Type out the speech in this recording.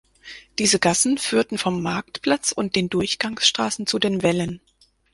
Diese Gassen führten vom Marktplatz und den Durchgangsstraßen zu den Wällen.